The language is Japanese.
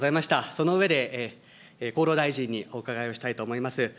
その上で、厚労大臣にお伺いをしたいと思います。